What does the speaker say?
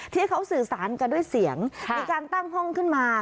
ที่เขาสื่อสารกันด้วยเสียงมีการตั้งห้องขึ้นมา